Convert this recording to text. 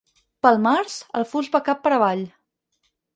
Pel març el fus va cap per avall.